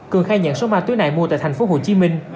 cường khai nhận số ma túy này mua tại thành phố hồ chí minh